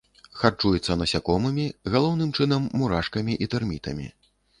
Харчуецца насякомымі, галоўным чынам мурашкамі і тэрмітамі.